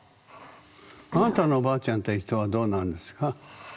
あなたのおばあちゃんという人はどうなんですか？